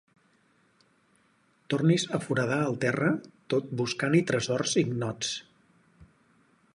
Tornis a foradar el terra tot buscant-hi tresors ignots.